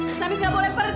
mas amin ga boleh pergi